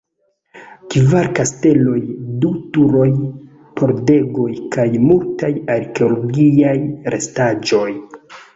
Kvar kasteloj, du turoj, pordegoj kaj multaj arkeologiaj restaĵoj.